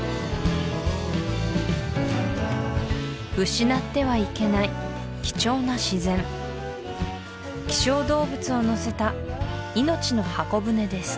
失ってはいけない貴重な自然希少動物をのせた命の箱舟です